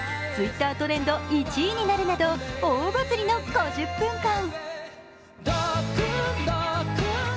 Ｔｗｉｔｔｅｒトレンド１位になるなど大バズりの５０分間。